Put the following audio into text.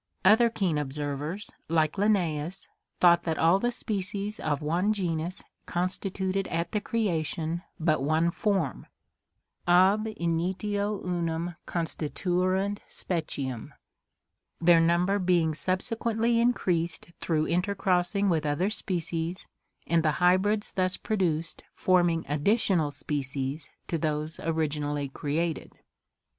Other keen observers, like Linnaeus, thought that all the species of one genus constituted at the creation but one form, ab initio unam constituerint speciem; their number being subse quently increased through intercrossing with other species, and the hybrids thus produced forming additional species to those originally created.